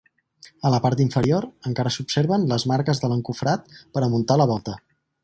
A la part inferior encara s’observen les marques de l’encofrat per a muntar la volta.